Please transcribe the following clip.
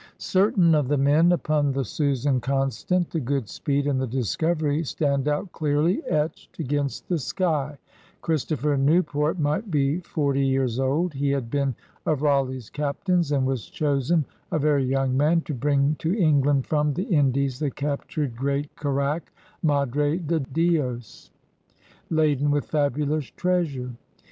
Certain of the men upon the Susan Constant^ the Goodspeedy and the Discovery stand out clearly, etched against the sky. Christopher Newport might be forty years old. He had been of Raleigh's captains and was chosen, a very young man, to bring to England from the Indies the captured great carrack, Madre de Dies, 16 PIONEERS OP THE OLD SOUTH laden with fabulous treasure.